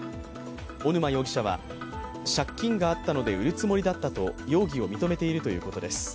小沼容疑者は借金があったので売るつもりだったと容疑を認めているということです。